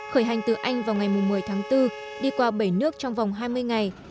khởi hành từ anh vào ngày một mươi tháng bốn đi qua bảy nước trong vòng hai mươi ngày